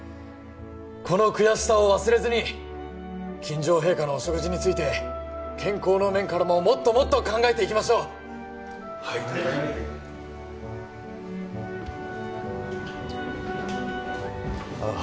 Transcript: この悔しさを忘れずに今上陛下のお食事について健康の面からももっともっと考えていきましょうはいああ